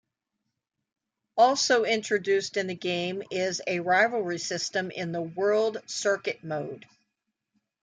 Also introduced in the game is a rivalry system in the World Circuit mode.